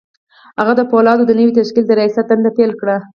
هغه د پولادو د نوي تشکیل د رياست دنده پیل کړه